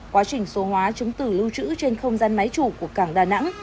quá trình số hóa chứng từ lưu trữ trên không gian máy chủ của cảng đà nẵng